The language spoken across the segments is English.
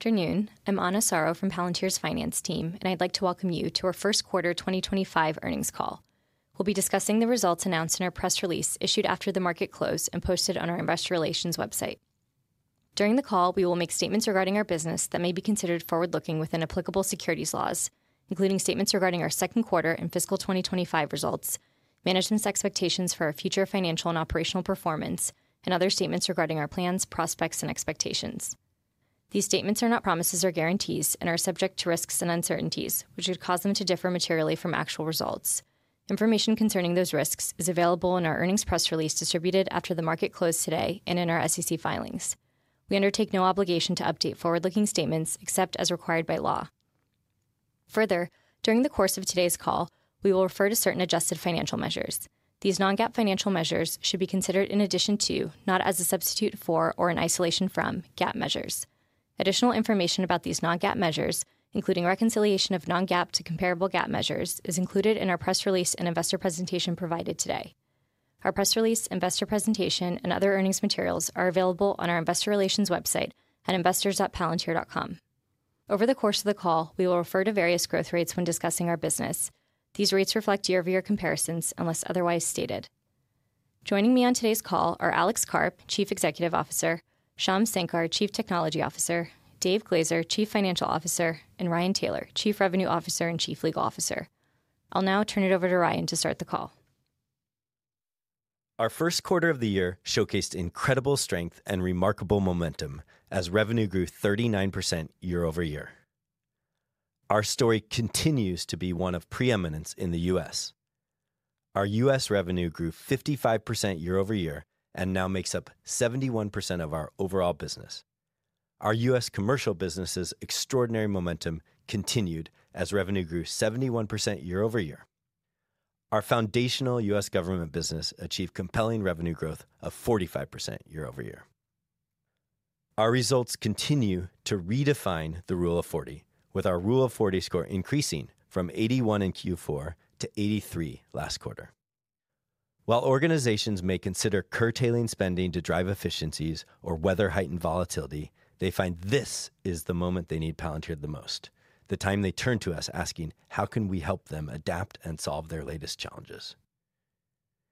Afternoon. I'm Ana Soro from Palantir's Finance Team, and I'd like to welcome you to our first quarter 2025 earnings call. We'll be discussing the results announced in our press release issued after the market closed and posted on our investor relations website. During the call, we will make statements regarding our business that may be considered forward-looking within applicable securities laws, including statements regarding our second quarter and fiscal 2025 results, management's expectations for our future financial and operational performance, and other statements regarding our plans, prospects, and expectations. These statements are not promises or guarantees and are subject to risks and uncertainties, which would cause them to differ materially from actual results. Information concerning those risks is available in our earnings press release distributed after the market closed today and in our SEC filings. We undertake no obligation to update forward-looking statements except as required by law. Further, during the course of today's call, we will refer to certain adjusted financial measures. These non-GAAP financial measures should be considered in addition to, not as a substitute for or in isolation from, GAAP measures. Additional information about these non-GAAP measures, including reconciliation of non-GAAP to comparable GAAP measures, is included in our press release and investor presentation provided today. Our press release, investor presentation, and other earnings materials are available on our investor relations website at investors.palantir.com. Over the course of the call, we will refer to various growth rates when discussing our business. These rates reflect year-over-year comparisons unless otherwise stated. Joining me on today's call are Alex Karp, Chief Executive Officer; Shyam Sankar, Chief Technology Officer; Dave Glazer, Chief Financial Officer; and Ryan Taylor, Chief Revenue Officer and Chief Legal Officer. I'll now turn it over to Ryan to start the call. Our first quarter of the year showcased incredible strength and remarkable momentum as revenue grew 39% year over year. Our story continues to be one of preeminence in the U.S. Our U.S. revenue grew 55% year over year and now makes up 71% of our overall business. Our U.S. commercial business's extraordinary momentum continued as revenue grew 71% year over year. Our foundational U.S. government business achieved compelling revenue growth of 45% year over year. Our results continue to redefine the Rule of 40, with our Rule of 40 score increasing from 81 in Q4 to 83 last quarter. While organizations may consider curtailing spending to drive efficiencies or weather heightened volatility, they find this is the moment they need Palantir the most, the time they turn to us asking, "How can we help them adapt and solve their latest challenges?"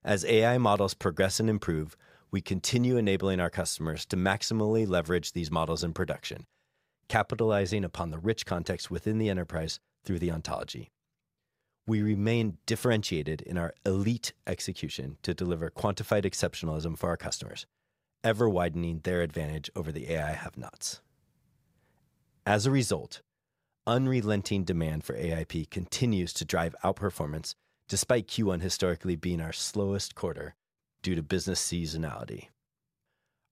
As AI models progress and improve, we continue enabling our customers to maximally leverage these models in production, capitalizing upon the rich context within the enterprise through the ontology. We remain differentiated in our elite execution to deliver quantified exceptionalism for our customers, ever widening their advantage over the AI have-nots. As a result, unrelenting demand for AIP continues to drive outperformance despite Q1 historically being our slowest quarter due to business seasonality.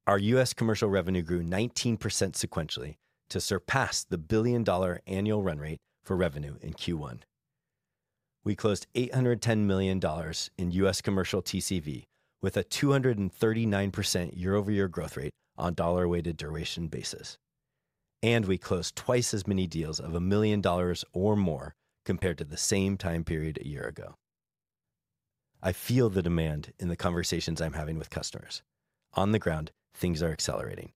Our U.S. commercial revenue grew 19% sequentially to surpass the billion-dollar annual run rate for revenue in Q1. We closed $810 million in U.S. Commercial TCV with a 239% year-over-year growth rate on a dollar-weighted duration basis, and we closed twice as many deals of a million dollars or more compared to the same time period a year ago. I feel the demand in the conversations I'm having with customers. On the ground, things are accelerating.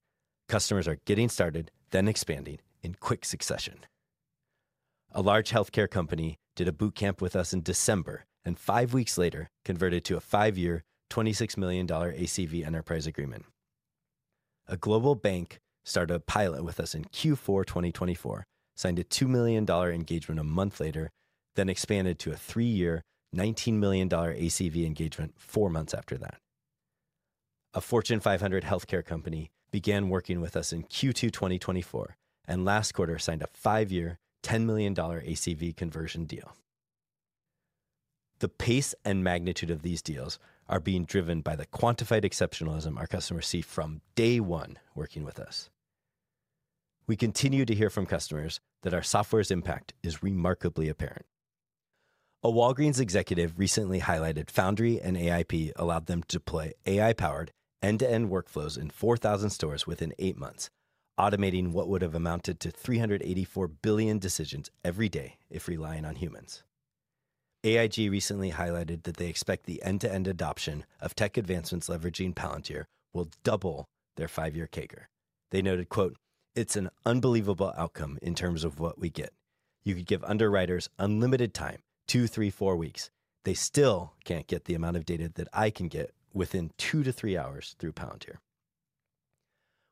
Customers are getting started, then expanding in quick succession. A large healthcare company did a boot camp with us in December and five weeks later converted to a five-year, $26 million ACV enterprise agreement. A global bank started a pilot with us in Q4 2024, signed a $2 million engagement a month later, then expanded to a three-year, $19 million ACV engagement four months after that. A Fortune 500 healthcare company began working with us in Q2 2024 and last quarter signed a five-year, $10 million ACV conversion deal. The pace and magnitude of these deals are being driven by the quantified exceptionalism our customers see from day one working with us. We continue to hear from customers that our software's impact is remarkably apparent. A Walgreens executive recently highlighted Foundry and AIP allowed them to deploy AI-powered end-to-end workflows in 4,000 stores within eight months, automating what would have amounted to 384 billion decisions every day if relying on humans. AIG recently highlighted that they expect the end-to-end adoption of tech advancements leveraging Palantir will double their five-year CAGR. They noted, "It's an unbelievable outcome in terms of what we get. You could give underwriters unlimited time, two, three, four weeks. They still can't get the amount of data that I can get within two to three hours through Palantir."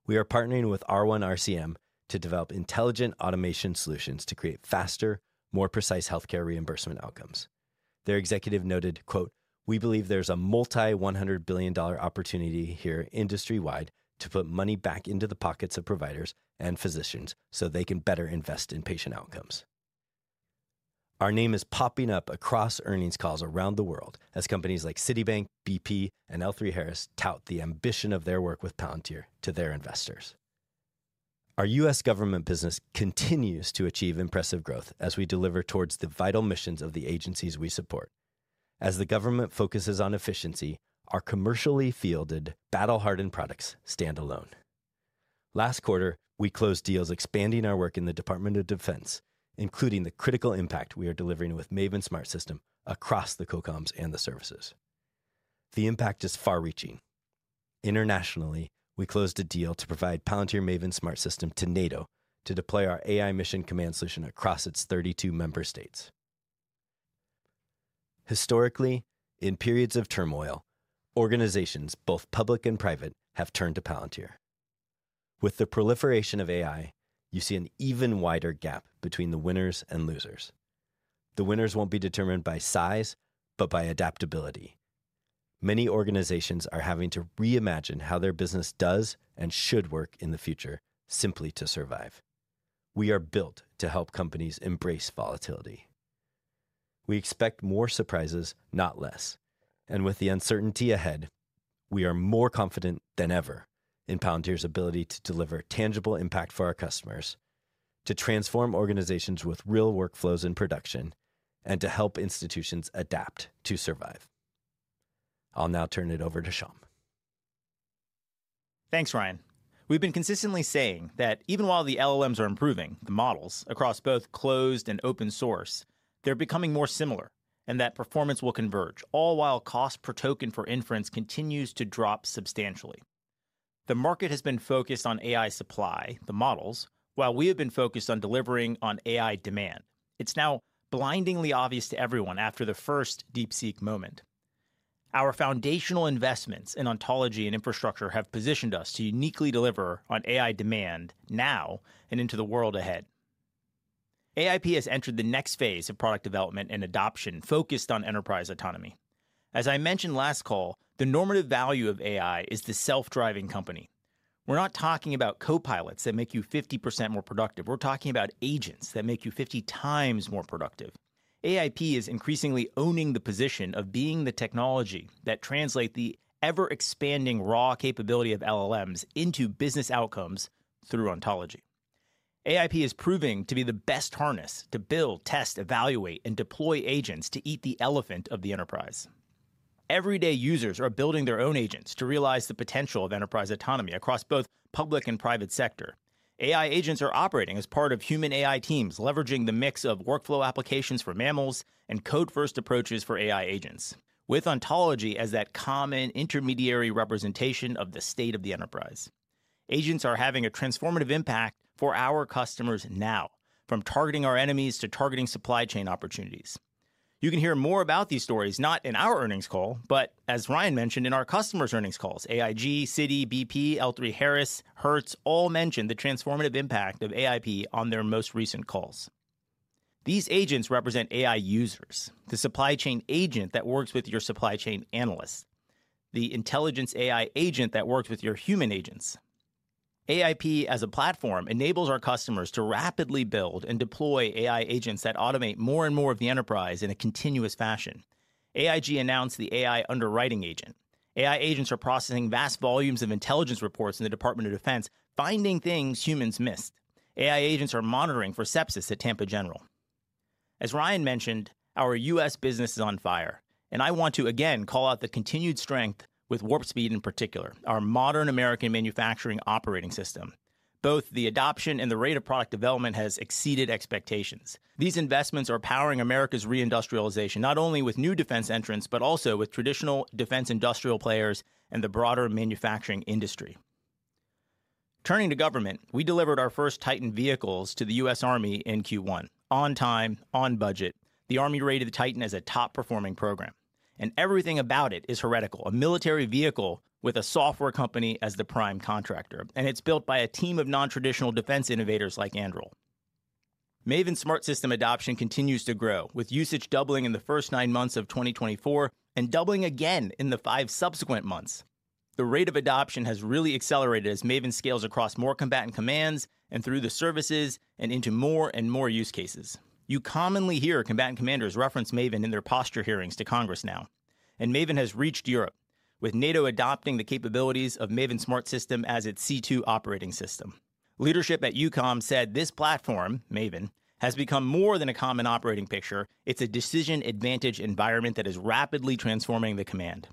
We are partnering with R1 RCM to develop intelligent automation solutions to create faster, more precise healthcare reimbursement outcomes. Their executive noted, "We believe there's a multi-$100 billion opportunity here industry-wide to put money back into the pockets of providers and physicians so they can better invest in patient outcomes." Our name is popping up across earnings calls around the world as companies like Citibank, BP, and L3Harris tout the ambition of their work with Palantir to their investors. Our U.S. government business continues to achieve impressive growth as we deliver towards the vital missions of the agencies we support. As the government focuses on efficiency, our commercially fielded, battle-hardened products stand alone. Last quarter, we closed deals expanding our work in the Department of Defense, including the critical impact we are delivering with Maven Smart System across the COCOMs and the services. The impact is far-reaching. Internationally, we closed a deal to provide Palantir Maven Smart System to NATO to deploy our AI mission command solution across its 32 member states. Historically, in periods of turmoil, organizations, both public and private, have turned to Palantir. With the proliferation of AI, you see an even wider gap between the winners and losers. The winners will not be determined by size, but by adaptability. Many organizations are having to reimagine how their business does and should work in the future simply to survive. We are built to help companies embrace volatility. We expect more surprises, not less. With the uncertainty ahead, we are more confident than ever in Palantir's ability to deliver tangible impact for our customers, to transform organizations with real workflows in production, and to help institutions adapt to survive. I'll now turn it over to Shyam. Thanks, Ryan. We've been consistently saying that even while the LLMs are improving, the models across both closed and open source, they're becoming more similar and that performance will converge, all while cost per token for inference continues to drop substantially. The market has been focused on AI supply, the models, while we have been focused on delivering on AI demand. It's now blindingly obvious to everyone after the first DeepSeek moment. Our foundational investments in ontology and infrastructure have positioned us to uniquely deliver on AI demand now and into the world ahead. AIP has entered the next phase of product development and adoption focused on enterprise autonomy. As I mentioned last call, the normative value of AI is the self-driving company. We're not talking about copilots that make you 50% more productive. We're talking about agents that make you 50 times more productive. AIP is increasingly owning the position of being the technology that translates the ever-expanding raw capability of LLMs into business outcomes through ontology. AIP is proving to be the best harness to build, test, evaluate, and deploy agents to eat the elephant of the enterprise. Everyday users are building their own agents to realize the potential of enterprise autonomy across both public and private sector. AI agents are operating as part of human-AI teams, leveraging the mix of workflow applications for mammals and code-first approaches for AI agents, with ontology as that common intermediary representation of the state of the enterprise. Agents are having a transformative impact for our customers now, from targeting our enemies to targeting supply chain opportunities. You can hear more about these stories not in our earnings call, but as Ryan mentioned in our customers' earnings calls, AIG, Citi, BP, L3Harris, Hertz all mentioned the transformative impact of AIP on their most recent calls. These agents represent AI users, the supply chain agent that works with your supply chain analyst, the intelligence AI agent that works with your human agents. AIP, as a platform, enables our customers to rapidly build and deploy AI agents that automate more and more of the enterprise in a continuous fashion. AIG announced the AI underwriting agent. AI agents are processing vast volumes of intelligence reports in the Department of Defense, finding things humans missed. AI agents are monitoring for sepsis at Tampa General. As Ryan mentioned, our U.S. Business is on fire, and I want to again call out the continued strength with Warp Speed in particular, our modern American manufacturing operating system. Both the adoption and the rate of product development have exceeded expectations. These investments are powering America's reindustrialization, not only with new defense entrants, but also with traditional defense industrial players and the broader manufacturing industry. Turning to government, we delivered our first Titan vehicles to the U.S. Army in Q1, on time, on budget. The Army rated the Titan as a top-performing program, and everything about it is heretical: a military vehicle with a software company as the prime contractor, and it's built by a team of non-traditional defense innovators like Anduril. Maven Smart System adoption continues to grow, with usage doubling in the first nine months of 2024 and doubling again in the five subsequent months. The rate of adoption has really accelerated as Maven scales across more combatant commands and through the services and into more and more use cases. You commonly hear combatant commanders reference Maven in their posture hearings to Congress now, and Maven has reached Europe, with NATO adopting the capabilities of Maven Smart System as its C2 operating system. Leadership at EUCOM said this platform, Maven, has become more than a common operating picture. It is a decision-advantage environment that is rapidly transforming the command.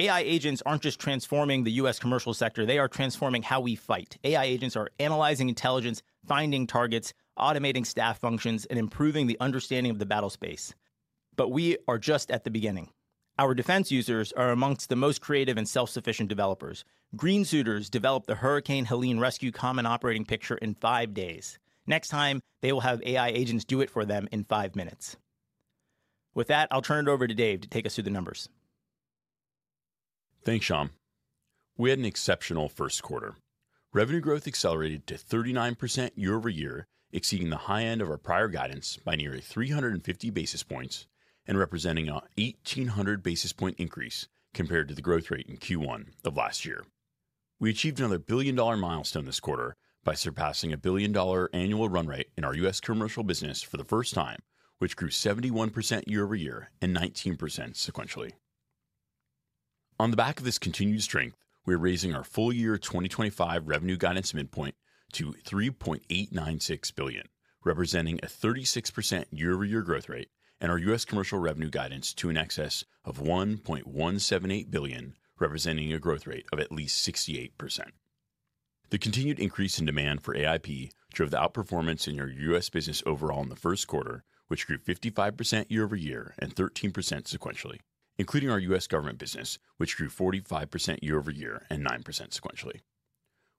AI agents are not just transforming the U.S. commercial sector; they are transforming how we fight. AI agents are analyzing intelligence, finding targets, automating staff functions, and improving the understanding of the battle space. We are just at the beginning. Our defense users are amongst the most creative and self-sufficient developers. Green Suiters developed the Hurricane Helene Rescue common operating picture in five days. Next time, they will have AI agents do it for them in five minutes. With that, I'll turn it over to Dave to take us through the numbers. Thanks, Shyam. We had an exceptional first quarter. Revenue growth accelerated to 39% year over year, exceeding the high end of our prior guidance by nearly 350 basis points and representing an 1,800 basis point increase compared to the growth rate in Q1 of last year. We achieved another billion-dollar milestone this quarter by surpassing a billion-dollar annual run rate in our U.S. commercial business for the first time, which grew 71% year over year and 19% sequentially. On the back of this continued strength, we're raising our full-year 2025 revenue guidance midpoint to $3.896 billion, representing a 36% year-over-year growth rate, and our U.S. commercial revenue guidance to an excess of $1.178 billion, representing a growth rate of at least 68%. The continued increase in demand for AIP drove the outperformance in your U.S. business overall in the first quarter, which grew 55% year-over-year and 13% sequentially, including our U.S. government business, which grew 45% year-over-year and 9% sequentially.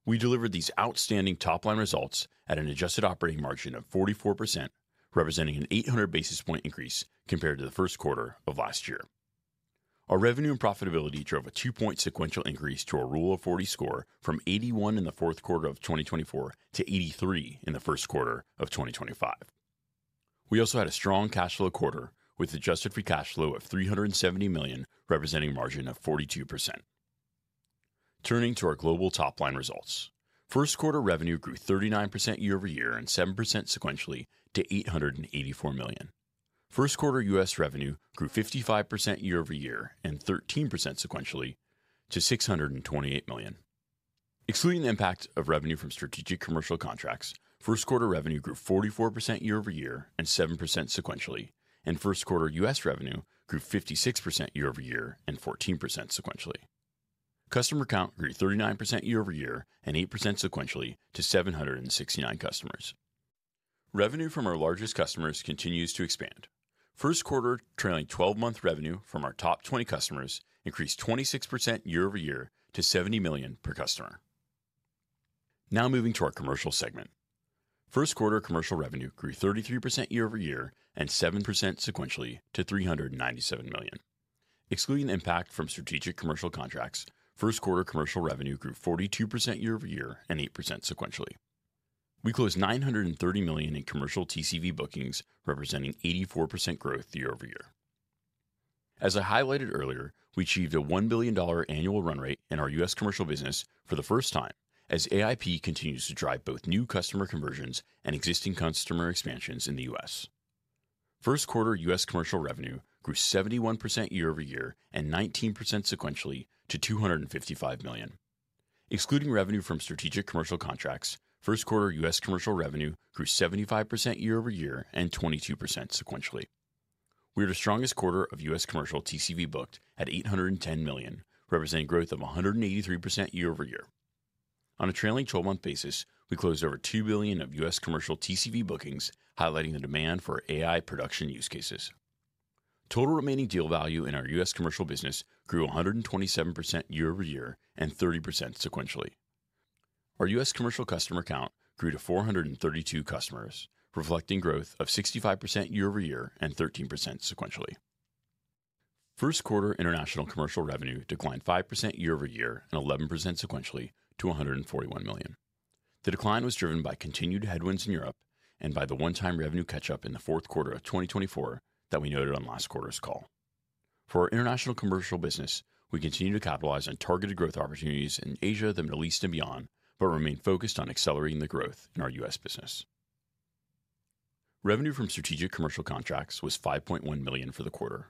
We delivered these outstanding top-line results at an adjusted operating margin of 44%, representing an 800 basis point increase compared to the first quarter of last year. Our revenue and profitability drove a two-point sequential increase to a rule of 40 score from 81 in the fourth quarter of 2024 to 83 in the first quarter of 2025. We also had a strong cash flow quarter with adjusted free cash flow of $370 million, representing a margin of 42%. Turning to our global top-line results, first quarter revenue grew 39% year-over-year and 7% sequentially to $884 million. First quarter U.S. revenue grew 55% year-over-year and 13% sequentially to $628 million. Excluding the impact of revenue from strategic commercial contracts, first quarter revenue grew 44% year-over-year and 7% sequentially, and first quarter U.S. revenue grew 56% year-over-year and 14% sequentially. Customer count grew 39% year-over-year and 8% sequentially to 769 customers. Revenue from our largest customers continues to expand. First quarter trailing 12-month revenue from our top 20 customers increased 26% year-over-year to $70 million per customer. Now moving to our commercial segment. First quarter commercial revenue grew 33% year-over-year and 7% sequentially to $397 million. Excluding the impact from strategic commercial contracts, first quarter commercial revenue grew 42% year-over-year and 8% sequentially. We closed $930 million in commercial TCV bookings, representing 84% growth year-over-year. As I highlighted earlier, we achieved a $1 billion annual run rate in our U.S. Commercial business for the first time as AIP continues to drive both new customer conversions and existing customer expansions in the U.S. First quarter U.S. commercial revenue grew 71% year-over-year and 19% sequentially to $255 million. Excluding revenue from strategic commercial contracts, first quarter U.S. commercial revenue grew 75% year-over-year and 22% sequentially. We are the strongest quarter of U.S. commercial TCV booked at $810 million, representing growth of 183% year-over-year. On a trailing 12-month basis, we closed over $2 billion of U.S. commercial TCV bookings, highlighting the demand for AI production use cases. Total remaining deal value in our U.S. commercial business grew 127% year-over-year and 30% sequentially. Our U.S. commercial customer count grew to 432 customers, reflecting growth of 65% year-over-year and 13% sequentially. First quarter international commercial revenue declined 5% year-over-year and 11% sequentially to $141 million. The decline was driven by continued headwinds in Europe and by the one-time revenue catch-up in the fourth quarter of 2024 that we noted on last quarter's call. For our international commercial business, we continue to capitalize on targeted growth opportunities in Asia, the Middle East, and beyond, but remain focused on accelerating the growth in our U.S. business. Revenue from strategic commercial contracts was $5.1 million for the quarter.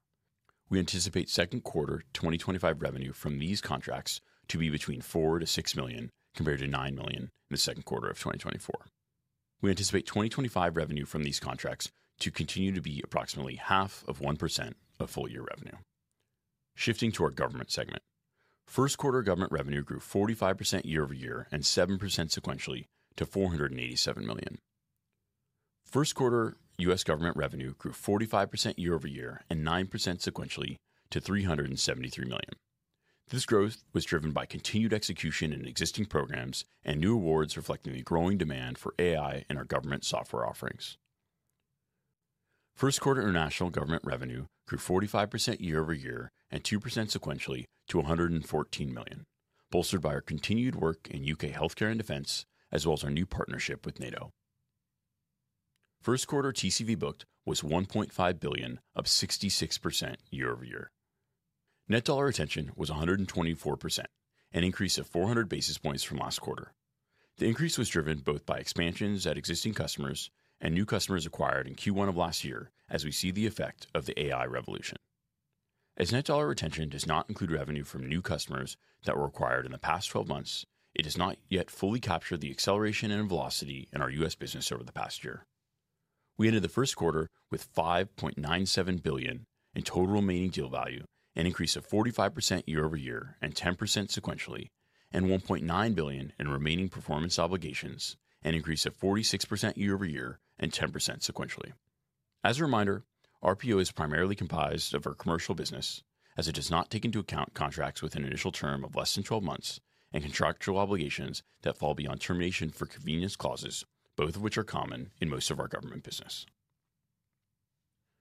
We anticipate second quarter 2025 revenue from these contracts to be between $4-$6 million compared to $9 million in the second quarter of 2024. We anticipate 2025 revenue from these contracts to continue to be approximately half of 1% of full-year revenue. Shifting to our government segment, first quarter government revenue grew 45% year-over-year and 7% sequentially to $487 million. First quarter U.S. government revenue grew 45% year-over-year and 9% sequentially to $373 million. This growth was driven by continued execution in existing programs and new awards reflecting the growing demand for AI in our government software offerings. First quarter international government revenue grew 45% year-over-year and 2% sequentially to $114 million, bolstered by our continued work in U.K. healthcare and defense, as well as our new partnership with NATO. First quarter TCV booked was $1.5 billion, up 66% year-over-year. Net dollar retention was 124%, an increase of 400 basis points from last quarter. The increase was driven both by expansions at existing customers and new customers acquired in Q1 of last year as we see the effect of the AI revolution. As net dollar retention does not include revenue from new customers that were acquired in the past 12 months, it has not yet fully captured the acceleration and velocity in our U.S. business over the past year. We ended the first quarter with $5.97 billion in total remaining deal value, an increase of 45% year-over-year and 10% sequentially, and $1.9 billion in remaining performance obligations, an increase of 46% year-over-year and 10% sequentially. As a reminder, RPO is primarily comprised of our commercial business as it does not take into account contracts with an initial term of less than 12 months and contractual obligations that fall beyond termination for convenience clauses, both of which are common in most of our government business.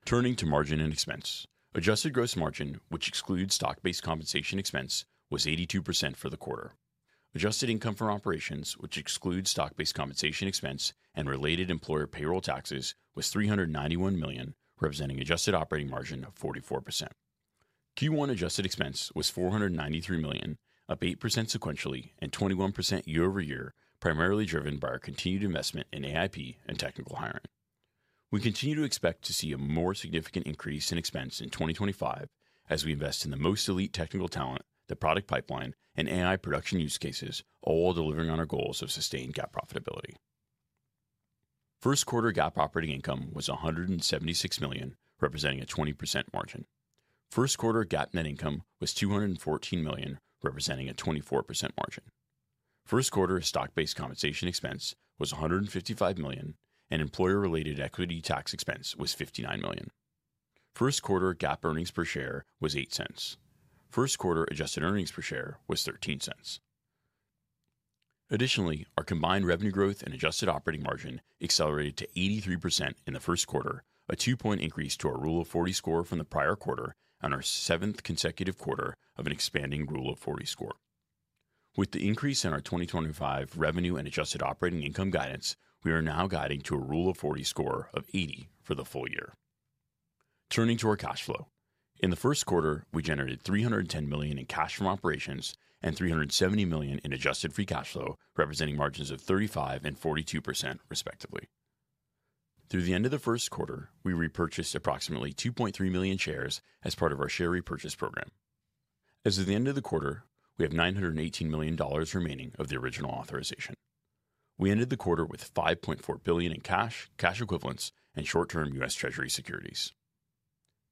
Turning to margin and expense, adjusted gross margin, which excludes stock-based compensation expense, was 82% for the quarter. Adjusted income from operations, which excludes stock-based compensation expense and related employer payroll taxes, was $391 million, representing adjusted operating margin of 44%. Q1 adjusted expense was $493 million, up 8% sequentially and 21% year-over-year, primarily driven by our continued investment in AIP and technical hiring. We continue to expect to see a more significant increase in expense in 2025 as we invest in the most elite technical talent, the product pipeline, and AI production use cases, all delivering on our goals of sustained GAAP profitability. First quarter GAAP operating income was $176 million, representing a 20% margin. First quarter GAAP net income was $214 million, representing a 24% margin. First quarter stock-based compensation expense was $155 million, and employer-related equity tax expense was $59 million. First quarter GAAP earnings per share was $0.08. First quarter adjusted earnings per share was $0.13. Additionally, our combined revenue growth and adjusted operating margin accelerated to 83% in the first quarter, a two-point increase to our rule of 40 score from the prior quarter and our seventh consecutive quarter of an expanding rule of 40 score. With the increase in our 2025 revenue and adjusted operating income guidance, we are now guiding to a rule of 40 score of 80 for the full year. Turning to our cash flow, in the first quarter, we generated $310 million in cash from operations and $370 million in adjusted free cash flow, representing margins of 35% and 42% respectively. Through the end of the first quarter, we repurchased approximately 2.3 million shares as part of our share repurchase program. As of the end of the quarter, we have $918 million remaining of the original authorization. We ended the quarter with $5.4 billion in cash, cash equivalents, and short-term U.S. Treasury securities.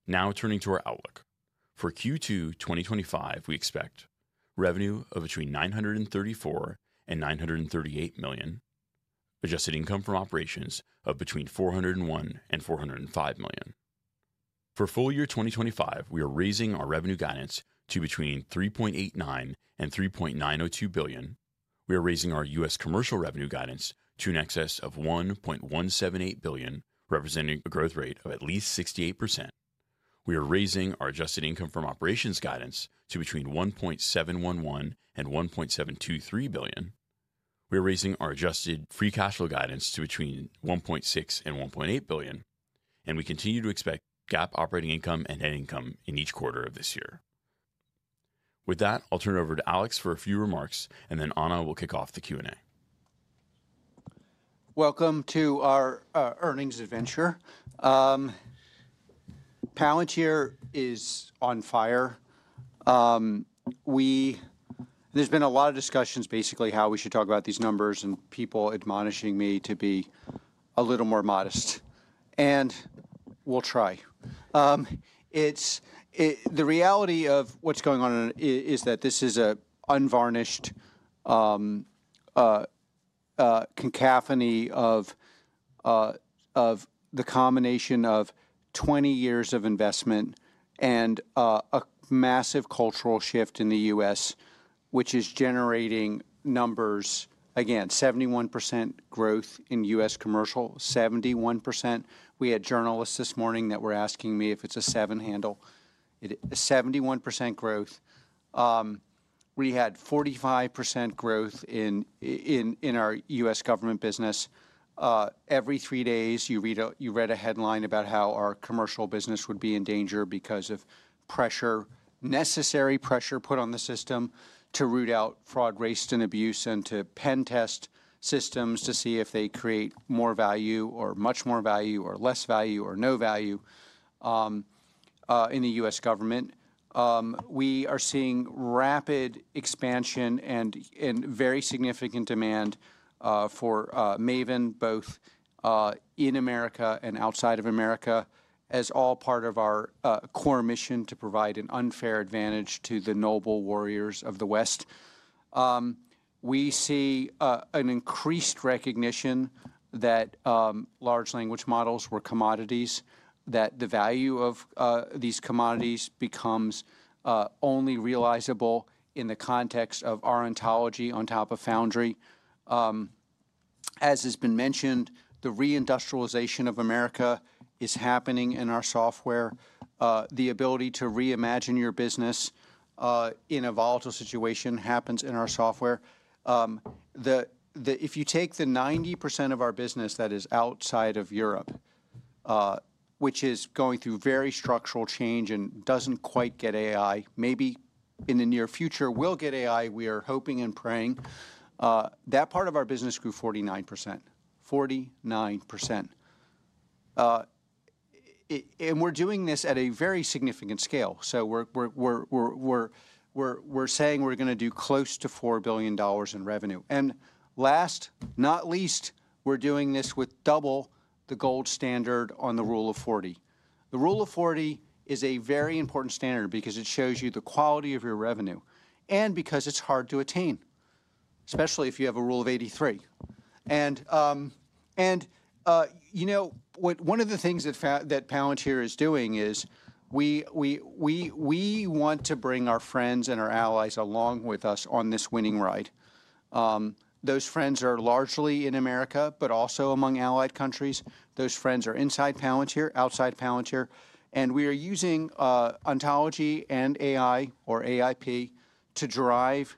Now turning to our outlook, for Q2 2025, we expect revenue of between $934 million and $938 million, adjusted income from operations of between $401 million and $405 million. For full year 2025, we are raising our revenue guidance to between $3.89 billion and $3.902 billion. We are raising our U.S. commercial revenue guidance to an excess of $1.178 billion, representing a growth rate of at least 68%. We are raising our adjusted income from operations guidance to between $1.711 billion and $1.723 billion. We are raising our adjusted free cash flow guidance to between $1.6 billion and $1.8 billion, and we continue to expect GAAP operating income and net income in each quarter of this year. With that, I'll turn it over to Alex for a few remarks, and then Ana will kick off the Q&A. Welcome to our earnings adventure. Palantir is on fire. There has been a lot of discussions basically how we should talk about these numbers, and people admonishing me to be a little more modest, and we will try. The reality of what is going on is that this is an unvarnished concavity of the combination of 20 years of investment and a massive cultural shift in the U.S., which is generating numbers, again, 71% growth in U.S. commercial, 71%. We had journalists this morning that were asking me if it is a seven handle. 71% growth. We had 45% growth in our U.S. government business. Every three days, you read a headline about how our commercial business would be in danger because of pressure, necessary pressure put on the system to root out fraud, waste, and abuse, and to pen test systems to see if they create more value or much more value or less value or no value in the U.S. government. We are seeing rapid expansion and very significant demand for Maven, both in America and outside of America, as all part of our core mission to provide an unfair advantage to the noble warriors of the West. We see an increased recognition that large language models were commodities, that the value of these commodities becomes only realizable in the context of our ontology on top of Foundry. As has been mentioned, the reindustrialization of America is happening in our software. The ability to reimagine your business in a volatile situation happens in our software. If you take the 90% of our business that is outside of Europe, which is going through very structural change and does not quite get AI, maybe in the near future we will get AI, we are hoping and praying, that part of our business grew 49%, 49%. We are doing this at a very significant scale. We are saying we are going to do close to $4 billion in revenue. Last but not least, we are doing this with double the gold standard on the rule of 40. The rule of 40 is a very important standard because it shows you the quality of your revenue and because it is hard to attain, especially if you have a Rule of 83. You know one of the things that Palantir is doing is we want to bring our friends and our allies along with us on this winning ride. Those friends are largely in America, but also among allied countries. Those friends are inside Palantir, outside Palantir, and we are using ontology and AI or AIP to drive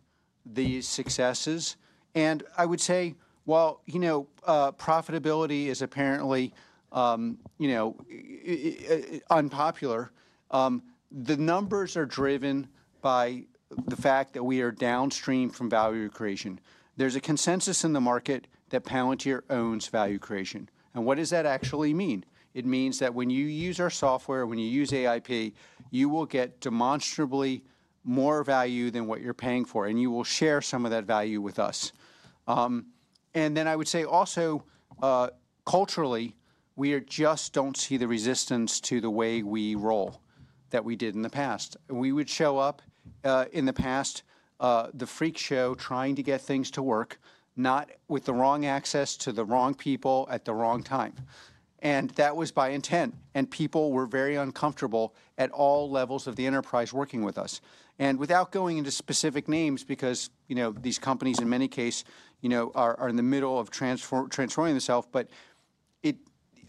these successes. I would say, while profitability is apparently unpopular, the numbers are driven by the fact that we are downstream from value creation. There's a consensus in the market that Palantir owns value creation. What does that actually mean? It means that when you use our software, when you use AIP, you will get demonstrably more value than what you're paying for, and you will share some of that value with us. I would say also, culturally, we just do not see the resistance to the way we roll that we did in the past. We would show up in the past, the freak show, trying to get things to work, not with the wrong access to the wrong people at the wrong time. That was by intent, and people were very uncomfortable at all levels of the enterprise working with us. Without going into specific names, because these companies in many cases are in the middle of transforming themselves,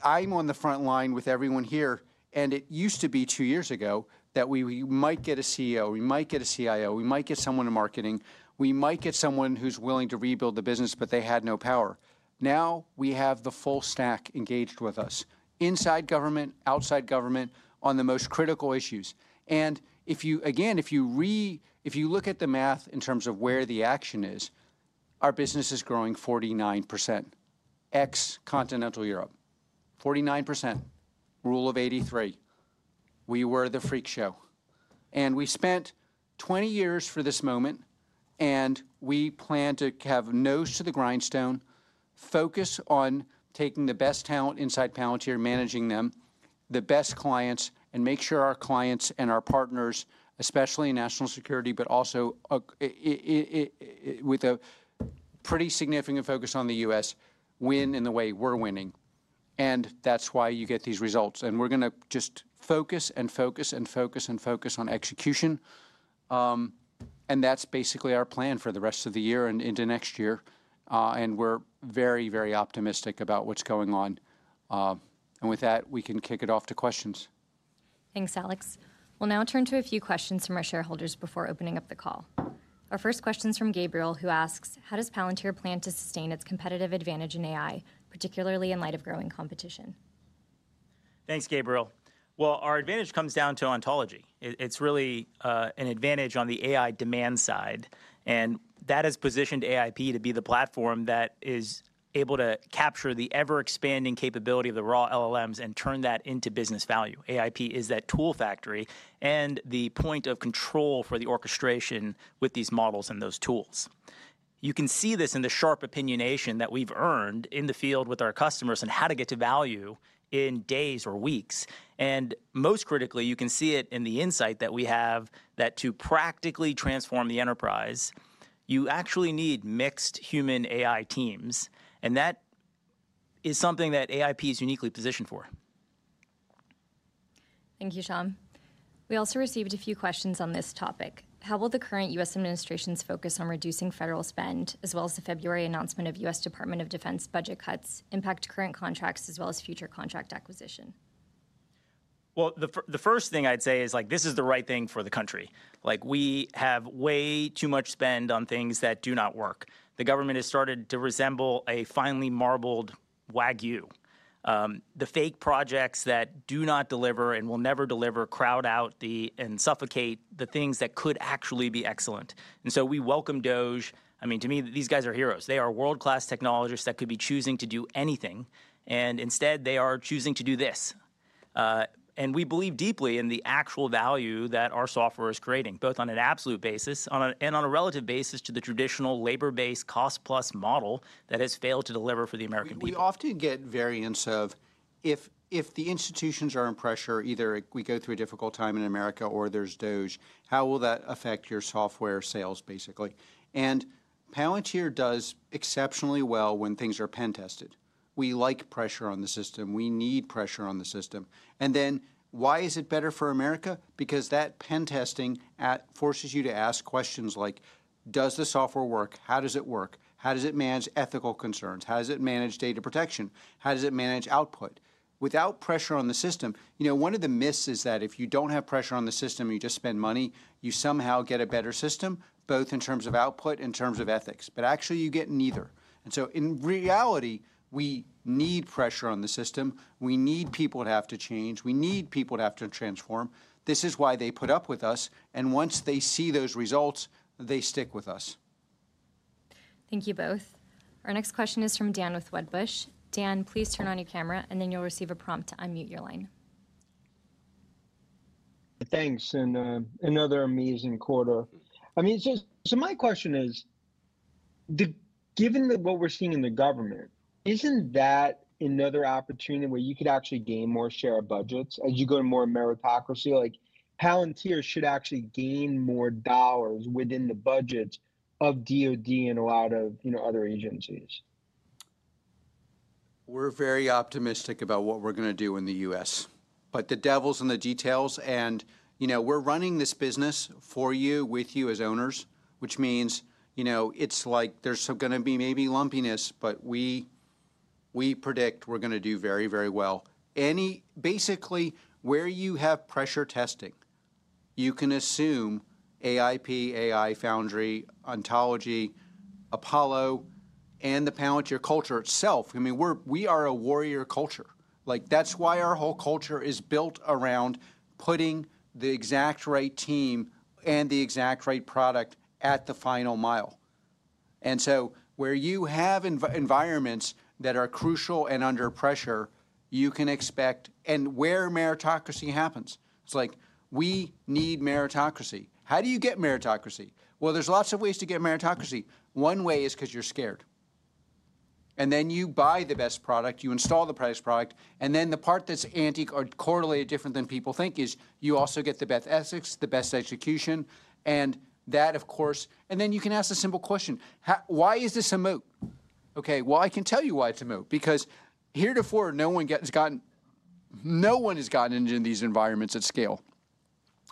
I am on the front line with everyone here, and it used to be two years ago that we might get a CEO, we might get a CIO, we might get someone in marketing, we might get someone who is willing to rebuild the business, but they had no power. Now we have the full stack engaged with us, inside government, outside government, on the most critical issues. If you look at the math in terms of where the action is, our business is growing 49%, ex-Continental Europe, 49%, rule of 83. We were the freak show. We spent 20 years for this moment, and we plan to have nose to the grindstone, focus on taking the best talent inside Palantir, managing them, the best clients, and make sure our clients and our partners, especially in national security, but also with a pretty significant focus on the U.S., win in the way we're winning. That's why you get these results. We're going to just focus and focus and focus and focus on execution. That's basically our plan for the rest of the year and into next year. We are very, very optimistic about what's going on. With that, we can kick it off to questions. Thanks, Alex. We'll now turn to a few questions from our shareholders before opening up the call. Our first question is from Gabriel, who asks, how does Palantir plan to sustain its competitive advantage in AI, particularly in light of growing competition? Thanks, Gabriel. Our advantage comes down to ontology. It's really an advantage on the AI demand side, and that has positioned AIP to be the platform that is able to capture the ever-expanding capability of the raw LLMs and turn that into business value. AIP is that tool factory and the point of control for the orchestration with these models and those tools. You can see this in the sharp opinionation that we've earned in the field with our customers and how to get to value in days or weeks. Most critically, you can see it in the insight that we have that to practically transform the enterprise, you actually need mixed human-AI teams, and that is something that AIP is uniquely positioned for. Thank you, Shyam. We also received a few questions on this topic. How will the current U.S. administration's focus on reducing federal spend, as well as the February announcement of U.S. Department of Defense budget cuts, impact current contracts as well as future contract acquisition? The first thing I'd say is this is the right thing for the country. We have way too much spend on things that do not work. The government has started to resemble a finely marbled Wagyu. The fake projects that do not deliver and will never deliver crowd out and suffocate the things that could actually be excellent. We welcome DOGE. I mean, to me, these guys are heroes. They are world-class technologists that could be choosing to do anything, and instead, they are choosing to do this. We believe deeply in the actual value that our software is creating, both on an absolute basis and on a relative basis to the traditional labor-based cost-plus model that has failed to deliver for the American people. We often get variants of if the institutions are in pressure, either we go through a difficult time in America or there is DOGE, how will that affect your software sales, basically? Palantir does exceptionally well when things are pen tested. We like pressure on the system. We need pressure on the system. Why is it better for America? Because that pen testing forces you to ask questions like, does the software work? How does it work? How does it manage ethical concerns? How does it manage data protection? How does it manage output? Without pressure on the system, one of the myths is that if you do not have pressure on the system, you just spend money, you somehow get a better system, both in terms of output, in terms of ethics, but actually you get neither. In reality, we need pressure on the system. We need people to have to change. We need people to have to transform. This is why they put up with us. Once they see those results, they stick with us. Thank you both. Our next question is from Dan with Wedbush. Dan, please turn on your camera, and then you'll receive a prompt to unmute your line. Thanks. Another amazing quarter. I mean, my question is, given what we're seeing in the government, isn't that another opportunity where you could actually gain more share of budgets as you go to more meritocracy? Palantir should actually gain more dollars within the budgets of DOD and a lot of other agencies. We're very optimistic about what we're going to do in the U.S., but the devil's in the details. We're running this business for you, with you as owners, which means it's like there's going to be maybe lumpiness, but we predict we're going to do very, very well. Basically, where you have pressure testing, you can assume AIP, AI Foundry, ontology, Apollo, and the Palantir culture itself. I mean, we are a warrior culture. That's why our whole culture is built around putting the exact right team and the exact right product at the final mile. Where you have environments that are crucial and under pressure, you can expect, and where meritocracy happens, it's like we need meritocracy. How do you get meritocracy? There's lots of ways to get meritocracy. One way is because you're scared. You buy the best product, you install the best product, and the part that's antique or correlated different than people think is you also get the best ethics, the best execution, and that, of course. You can ask a simple question, why is this a moot? Okay, I can tell you why it's a moot, because heretofore no one has gotten into these environments at scale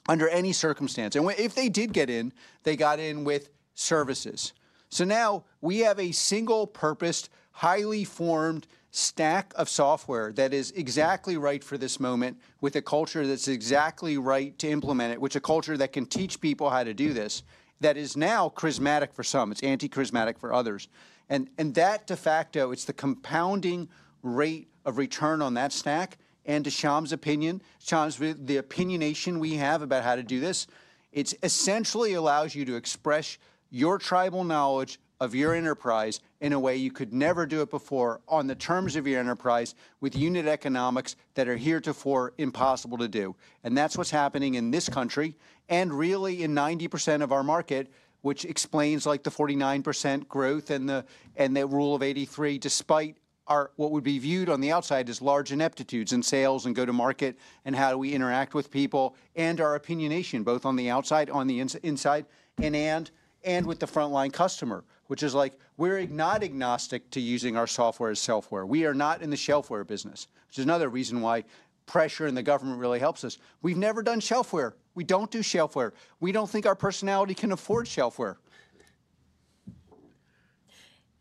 under any circumstance. If they did get in, they got in with services. Now we have a single-purpose, highly formed stack of software that is exactly right for this moment, with a culture that's exactly right to implement it, which is a culture that can teach people how to do this, that is now charismatic for some. It's anti-charismatic for others. That de facto, it's the compounding rate of return on that stack. To Shyam's opinion, Shyam's view, the opinionation we have about how to do this, it essentially allows you to express your tribal knowledge of your enterprise in a way you could never do it before on the terms of your enterprise with unit economics that are heretofore impossible to do. That is what is happening in this country and really in 90% of our market, which explains the 49% growth and the rule of 83, despite what would be viewed on the outside as large ineptitudes in sales and go-to-market and how do we interact with people and our opinionation, both on the outside, on the inside, and with the frontline customer, which is like we're not agnostic to using our software as self-aware. We are not in the shelfware business, which is another reason why pressure in the government really helps us. We've never done shelfware. We do not do shelfware. We do not think our personality can afford shelfware.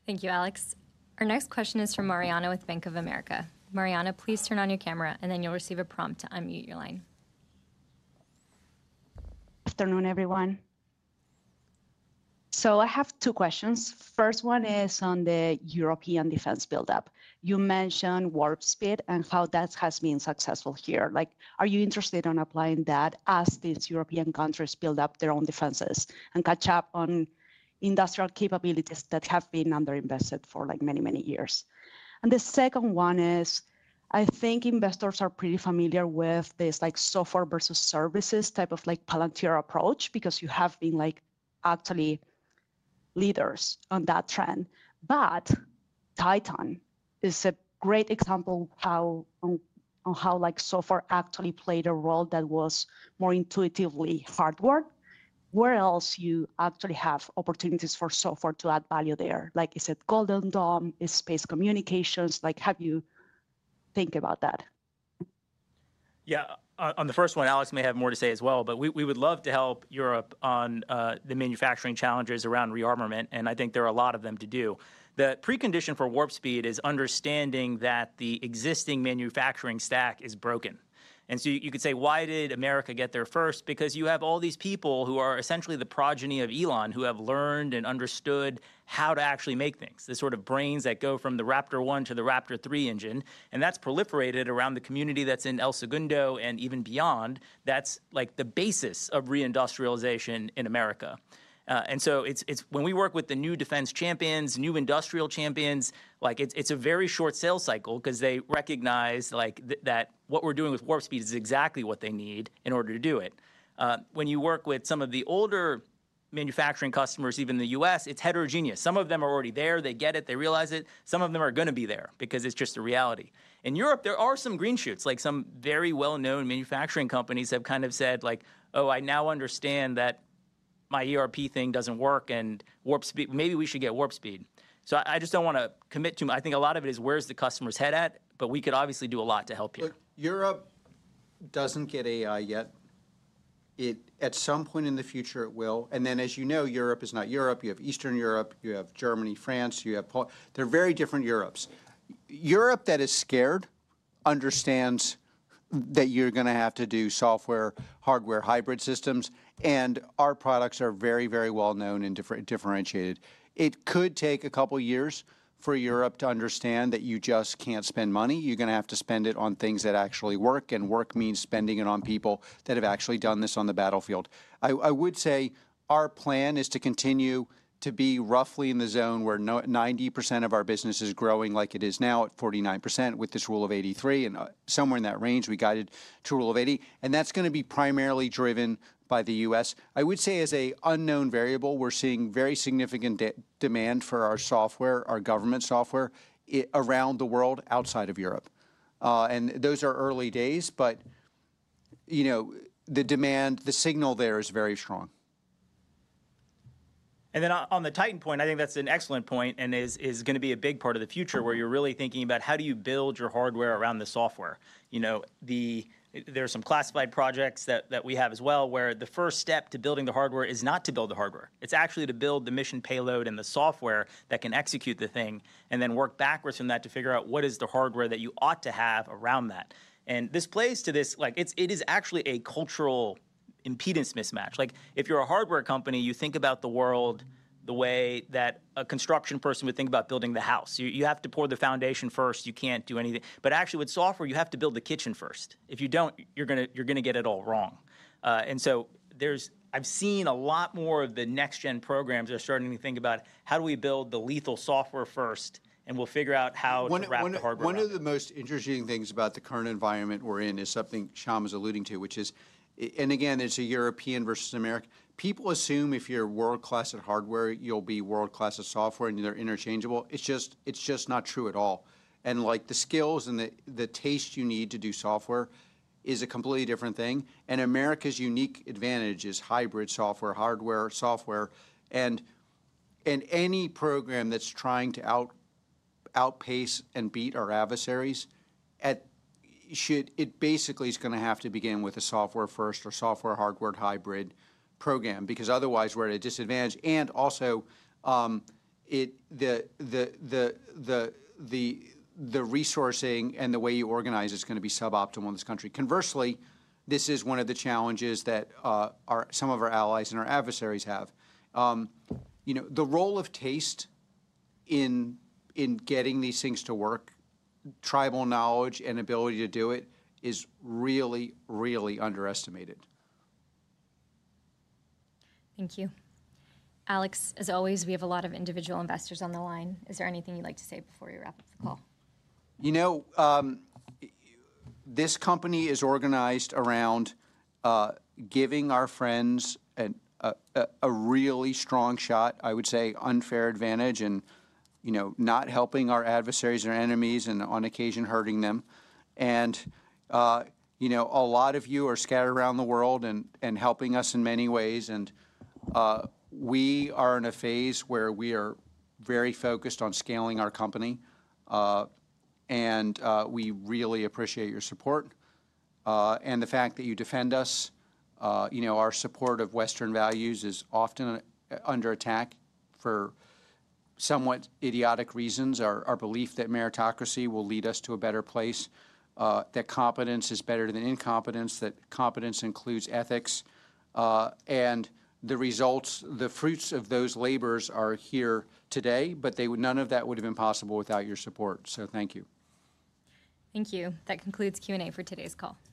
Thank you, Alex. Our next question is from Mariana with BofA Securities. Mariana, please turn on your camera, and then you'll receive a prompt to unmute your line. Good afternoon, everyone. I have two questions. The first one is on the European defense buildup. You mentioned Warp Speed and how that has been successful here. Are you interested in applying that as these European countries build up their own defenses and catch up on industrial capabilities that have been underinvested for many, many years? The second one is, I think investors are pretty familiar with this software versus services type of Palantir approach because you have been actually leaders on that trend. Titan is a great example of how software actually played a role that was more intuitively hardware. Where else do you actually have opportunities for software to add value there? Is it Golden Horde? Is it space communications? Have you thought about that? Yeah, on the first one, Alex may have more to say as well, but we would love to help Europe on the manufacturing challenges around rearmament, and I think there are a lot of them to do. The precondition for Warp Speed is understanding that the existing manufacturing stack is broken. You could say, why did America get there first? Because you have all these people who are essentially the progeny of Elon who have learned and understood how to actually make things, the sort of brains that go from the Raptor 1 to the Raptor 3 engine. That has proliferated around the community that is in El Segundo and even beyond. That is the basis of reindustrialization in America. When we work with the new defense champions, new industrial champions, it's a very short sales cycle because they recognize that what we're doing with Warp Speed is exactly what they need in order to do it. When you work with some of the older manufacturing customers, even the U.S., it's heterogeneous. Some of them are already there. They get it. They realize it. Some of them are going to be there because it's just a reality. In Europe, there are some green shoots. Some very well-known manufacturing companies have kind of said, oh, I now understand that my ERP thing doesn't work, and maybe we should get Warp Speed. I just don't want to commit too much. I think a lot of it is where's the customer's head at, but we could obviously do a lot to help here. Europe doesn't get AI yet. At some point in the future, it will. You know, Europe is not Europe. You have Eastern Europe. You have Germany, France. They're very different Europes. Europe that is scared understands that you're going to have to do software, hardware, hybrid systems. Our products are very, very well-known and differentiated. It could take a couple of years for Europe to understand that you just can't spend money. You're going to have to spend it on things that actually work. Work means spending it on people that have actually done this on the battlefield. I would say our plan is to continue to be roughly in the zone where 90% of our business is growing like it is now at 49% with this rule of 83 and somewhere in that range. We guided to rule of 80. That is going to be primarily driven by the U.S. I would say as an unknown variable, we are seeing very significant demand for our software, our government software around the world outside of Europe. Those are early days, but the demand, the signal there is very strong. On the Titan point, I think that's an excellent point and is going to be a big part of the future where you're really thinking about how do you build your hardware around the software. There are some classified projects that we have as well where the first step to building the hardware is not to build the hardware. It's actually to build the mission payload and the software that can execute the thing and then work backwards from that to figure out what is the hardware that you ought to have around that. This plays to this. It is actually a cultural impedance mismatch. If you're a hardware company, you think about the world the way that a construction person would think about building the house. You have to pour the foundation first. You can't do anything. Actually, with software, you have to build the kitchen first. If you do not, you are going to get it all wrong. I have seen a lot more of the next-gen programs are starting to think about how do we build the lethal software first, and we will figure out how to wrap the hardware. One of the most interesting things about the current environment we're in is something Shyam was alluding to, which is, and again, it's a European versus American. People assume if you're world-class at hardware, you'll be world-class at software and they're interchangeable. It's just not true at all. The skills and the taste you need to do software is a completely different thing. America's unique advantage is hybrid software, hardware, software. Any program that's trying to outpace and beat our adversaries, it basically is going to have to begin with a software-first or software-hardware hybrid program, because otherwise we're at a disadvantage. Also, the resourcing and the way you organize is going to be suboptimal in this country. Conversely, this is one of the challenges that some of our allies and our adversaries have. The role of taste in getting these things to work, tribal knowledge and ability to do it is really, really underestimated. Thank you. Alex, as always, we have a lot of individual investors on the line. Is there anything you'd like to say before we wrap up the call? You know, this company is organized around giving our friends a really strong shot, I would say, unfair advantage and not helping our adversaries or enemies and on occasion hurting them. A lot of you are scattered around the world and helping us in many ways. We are in a phase where we are very focused on scaling our company. We really appreciate your support and the fact that you defend us. Our support of Western values is often under attack for somewhat idiotic reasons. Our belief that meritocracy will lead us to a better place, that competence is better than incompetence, that competence includes ethics. The results, the fruits of those labors are here today, but none of that would have been possible without your support. Thank you. Thank you. That concludes Q&A for today's call.